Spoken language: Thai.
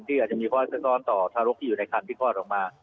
ที่อาจจะมีข้อแทรกต้อนต่อทารกที่อยู่ในครรภ์ที่พ่อออกมา